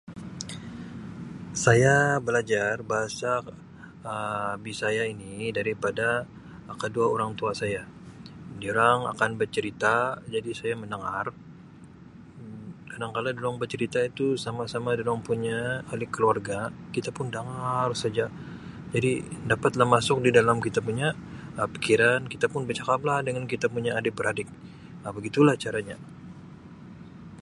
Saya belajar bahasa Um Bisaya ini daripada kedua orang tua saya, dorang akan bercerita jadi saya mendengar kadangkala dorang bercerita itu sama-sama dorang punya ahli keluarga kita pun dangar saja jadi dapatlah masuk di dalam kita punya pikiran kita pun becakaplah dengan kita punya adik-beradik Um begitulah caranya.